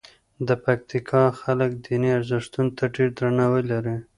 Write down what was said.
د پکتیکا خلک دیني ارزښتونو ته ډېر درناوی لري.